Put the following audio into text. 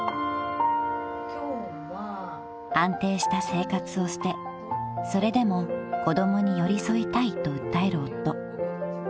［安定した生活を捨てそれでも子供に寄り添いたいと訴える夫］